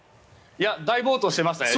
大暴投してましたね。